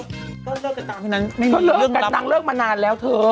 เลิกกันต่างที่นั้นไม่มีเรื่องเลิกกันต่างเลิกมานานแล้วเธอ